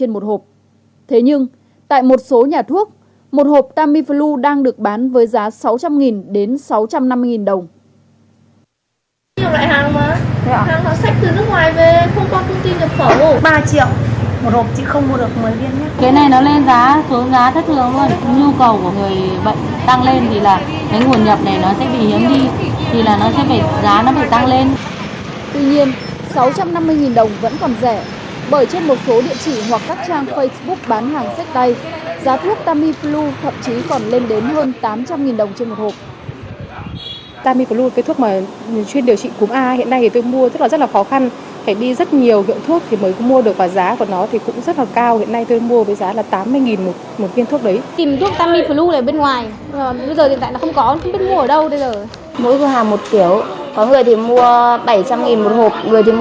mỗi hàng một kiểu có người thì mua bảy trăm linh một hộp người thì mua một triệu một hộp